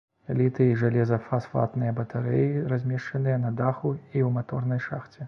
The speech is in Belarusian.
Літый-жалеза-фасфатныя батарэі размешчаныя на даху і ў маторнай шахце.